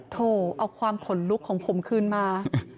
โถเอาความขนลุกของผมคืนมา